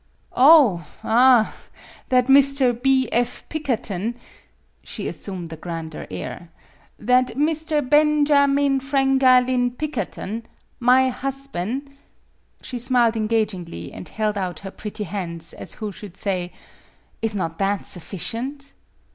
"Oh ah that Mr. B. F. Pikkerton " she assumed a grander air "that Mr. Ben ja meen Frang a leen Pikkerton my hos ban' " She smiled engagingly, and held out her pretty hands, as who should say :" Is not that sufficient